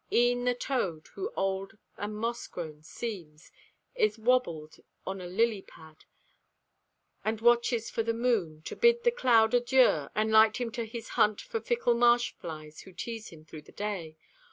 E'en the toad, who old and moss grown seems, Is wabbled on a lilypad, and watches for the moon To bid the cloud adieu and light him to his hunt For fickle marsh flies who tease him through the day.